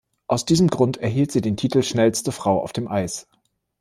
Aus diesem Grund erhielt sie den Titel „Schnellste Frau auf dem Eis“.